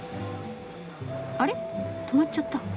あれ止まっちゃった。